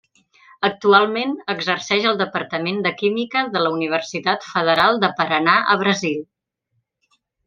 Actualment exerceix al Departament de Química de la Universitat Federal de Paranà a Brasil.